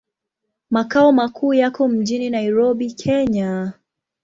Makao makuu yako mjini Nairobi, Kenya.